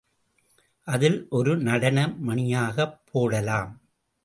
அதில் ஒரு நடன மணியாகப் போடலாம்.